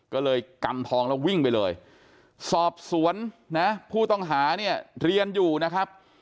ก็เลยกำทองแล้ววิ่งไปเลยสอบสวนนะผู้ต้องหาเนี่ยเรียนอยู่นะครับ